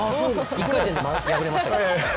１回戦で敗れましたけど。